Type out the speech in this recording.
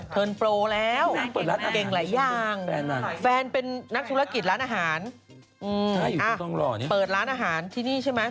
เทินโปรแล้วเก่งหลายอย่างแฟนเป็นนักธุรกิจร้านอาหารเปิดร้านอาหารที่นี่ใช่ไหม